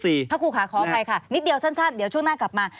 พระครูค่ะขออภัยค่ะนิดเดียวสั้นเดี๋ยวช่วงหน้ากลับมา